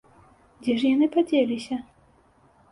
Дзе ж яны падзеліся?